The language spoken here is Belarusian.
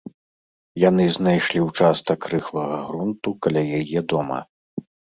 Яны знайшлі ўчастак рыхлага грунту каля яе дома.